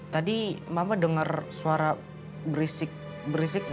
tadi mama denger suara berisik berisik gak